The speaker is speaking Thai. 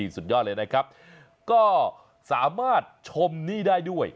สุดยอดเลยนะครับก็สามารถชมนี่ได้ด้วย